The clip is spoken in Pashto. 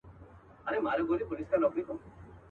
مار زخمي سو له دهقان سره دښمن سو.